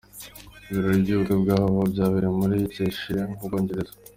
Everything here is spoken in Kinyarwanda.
Ibirori by’ubukwe bwabo byabereye muri Cheshire mu Bwongereza.